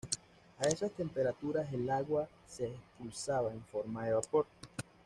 A esas temperaturas, el agua se expulsaba en forma de vapor.